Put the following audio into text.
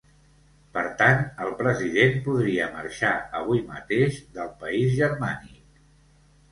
Per tant, el president podria marxar avui mateix del país germànic.